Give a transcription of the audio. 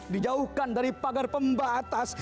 dijauhkan dari pagar pembatas